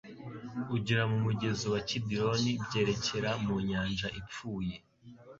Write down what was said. ugera mu mugezi wa Kidironi byerekera mu nyanja ipfuye.